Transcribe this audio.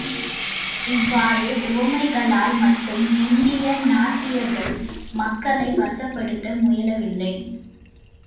இவ்வாறு உவமைகளால் மட்டும் இந்திய நாத்திகர்கள் மக்களை வசப்படுத்த முயலவில்லை.